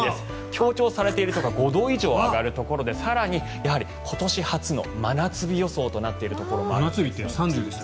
強調されているのが５度以上上がるところで更に今年初の真夏日予想となっているところもあります。